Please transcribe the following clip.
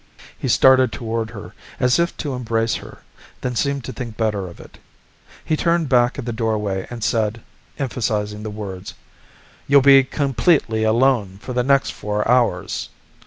He started toward her, as if to embrace her, then seemed to think better of it. He turned back at the doorway and said, emphasizing the words, "You'll be completely alone for the next four hours."